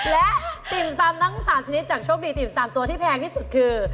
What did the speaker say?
และติ่มตำทั้ง๓ชนิดจากโชคดีติ่ม๓ตัวที่แพงที่สุดคือ